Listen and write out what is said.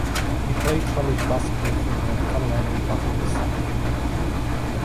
He played college basketball for the Colorado Buffaloes.